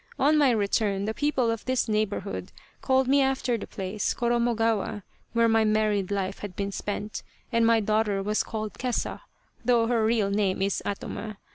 On my return the people of this neighbourhood called me after the place, Koromogawa, where my married life had been spent, and my daughter was called Kesa, though her real name is Atoma.